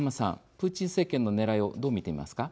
プーチン政権のねらいをどう見ていますか。